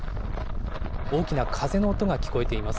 大きな風の音が聞こえています。